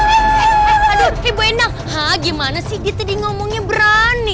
eh aduh eh bu endang haa gimana sih dia tadi ngomongnya berani